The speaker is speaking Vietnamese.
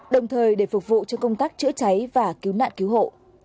đồng thời để phục vụ cho công tác chữa cháy và cứu nạn cứu hộ